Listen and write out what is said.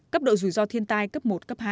cấp độ rủi ro thiên tai cấp một hai